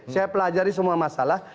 saya pelajari semua masalah